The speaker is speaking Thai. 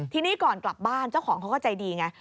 ทีนี้ก่อนกลับบ้านเจ้าของเขาก็ใจดีไง